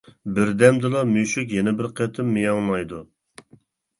بىردەمدىلا مۈشۈك يەنە بىر قېتىم مىياڭلايدۇ.